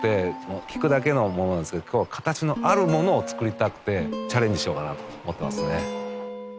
聴くだけのものなんですけど今日は形のある物を作りたくてチャレンジしようかなと思ってますね。